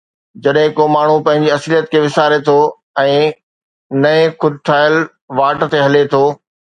جڏهن ڪو ماڻهو پنهنجي اصليت کي وساري ٿو ۽ نئين خود ٺاهيل واٽ تي هلي ٿو